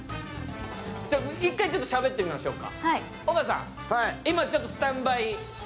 １回、しゃべってみましょうか。